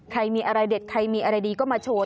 ใครมีอะไรเด็ดใครมีอะไรดีก็มาโชว์